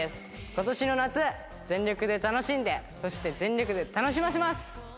今年の夏全力で楽しんでそして全力で楽しませます！